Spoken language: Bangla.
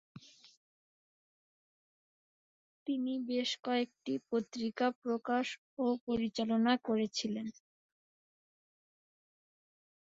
তিনি বেশ কয়েকটি পত্রিকা প্রকাশ ও পরিচালনা করেছিলেন।